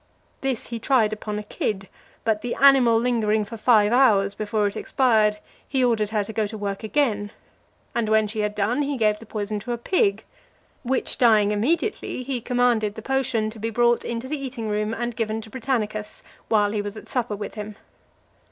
This he tried upon a kid: but the animal lingering for five hours before it expired, he ordered her to go to work again; and when she had done, he gave the poison to a pig, which dying immediately, he commanded the potion to be brought into the eating room and given to Britannicus, while he was at supper with him.